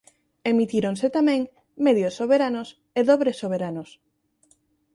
Emitíronse tamén medios soberanos e dobres soberanos.